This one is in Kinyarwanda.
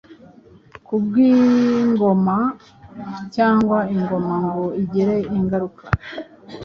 KubwIngoma, cyangwa Ingoma ngo igire ingaruka